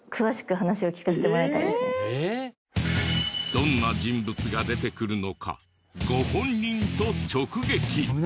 どんな人物が出てくるのかご本人と直撃！